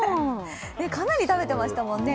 かなり食べてましたもんね